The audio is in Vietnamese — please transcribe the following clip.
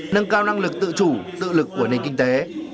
nâng cao năng lực tự chủ tự lực của nền kinh tế